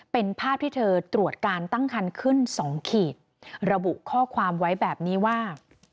เป็นภาพที่เธอตรวจการตั้งคันขึ้น๒ขีดระบุข้อความไว้แบบนี้ว่า